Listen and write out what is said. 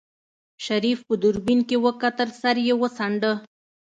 شريف په دوربين کې وکتل سر يې وڅنډه.